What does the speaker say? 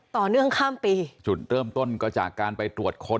ต่อเนื่องข้ามปีจุดเริ่มต้นก็จากการไปตรวจค้น